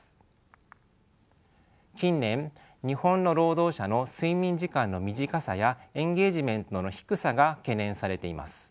近年日本の労働者の睡眠時間の短さやエンゲージメントの低さが懸念されています。